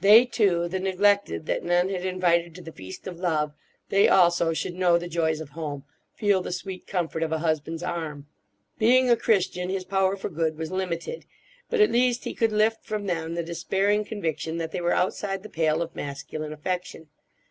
They too—the neglected that none had invited to the feast of love—they also should know the joys of home, feel the sweet comfort of a husband's arm. Being a Christian, his power for good was limited. But at least he could lift from them the despairing conviction that they were outside the pale of masculine affection.